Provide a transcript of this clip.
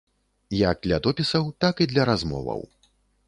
Як для допісаў, так і для размоваў.